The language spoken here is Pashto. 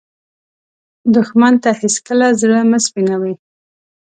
دښمن ته هېڅکله زړه مه سپينوې